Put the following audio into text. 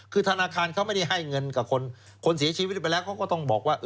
คือธนาคารเขาไม่ได้ให้เงินกับคนเสียชีวิตไปแล้วเขาก็ต้องบอกว่า